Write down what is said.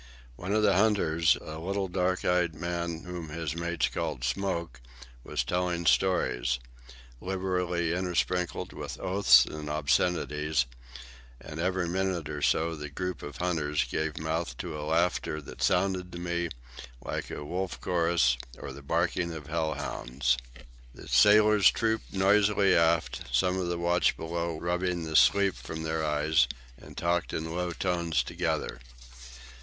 One of the hunters, a little dark eyed man whom his mates called "Smoke," was telling stories, liberally intersprinkled with oaths and obscenities; and every minute or so the group of hunters gave mouth to a laughter that sounded to me like a wolf chorus or the barking of hell hounds. The sailors trooped noisily aft, some of the watch below rubbing the sleep from their eyes, and talked in low tones together.